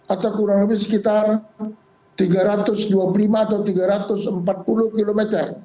atau kurang lebih sekitar tiga ratus dua puluh lima atau tiga ratus empat puluh km